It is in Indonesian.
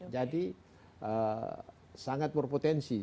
jadi sangat berpotensi